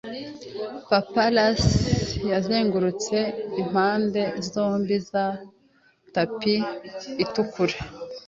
Paparazzi yazengurutse impande zombi za tapi itukura.